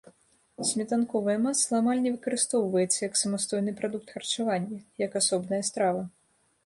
Сметанковае масла амаль не выкарыстоўваецца як самастойны прадукт харчавання, як асобная страва.